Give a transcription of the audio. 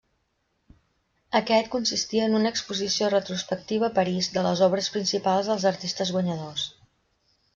Aquest consistia en una exposició retrospectiva a París de les obres principals dels artistes guanyadors.